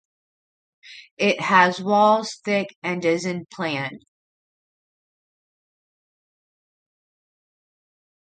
It has walls thick and is in plan.